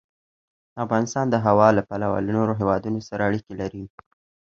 افغانستان د هوا له پلوه له نورو هېوادونو سره اړیکې لري.